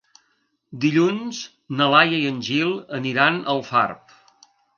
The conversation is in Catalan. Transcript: Dilluns na Laia i en Gil aniran a Alfarb.